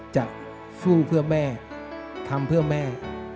จะสู้เพื่อแม่ทำเพื่อแม่